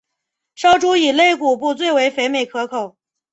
烧猪以肋骨部最为肥美可口。